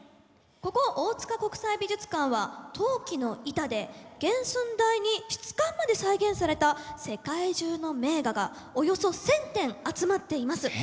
ここ大塚国際美術館は陶器の板で原寸大に質感まで再現された世界中の名画がおよそ１，０００点集まっています。